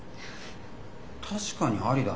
確かにありだな。